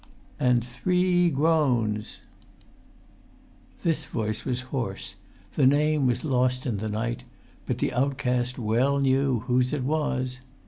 "And three groans ..." This voice was hoarse; the name was lost in the night; but the outcast well knew whose it was.